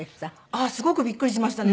あっすごくびっくりしましたね。